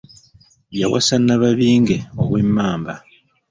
Yawasa Nnababinge ow'Emmamba.